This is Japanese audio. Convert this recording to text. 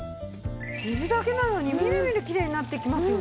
水だけなのにみるみるきれいになっていきますよね。